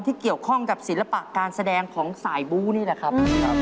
ที่เกี่ยวข้องกับศิลปะการแสดงของสายบู้นี่แหละครับ